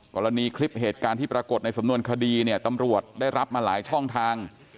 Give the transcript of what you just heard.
กรณีคลิปเหตุการณ์ที่ปรากฏในสำนวนคดีเนี่ยตำรวจได้รับมาหลายช่องทาง